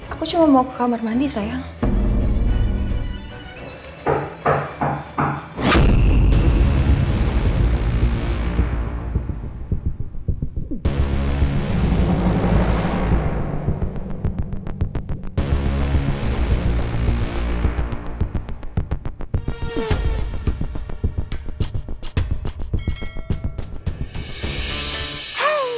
aku cuma mau ke kamar mandi sayang